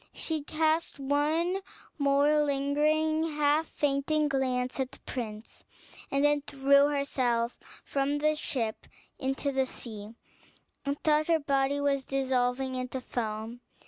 She cast one more lingering, half fainting glance at the prince, and then threw herself from the ship into the sea, and thought her body was dissolving into foam.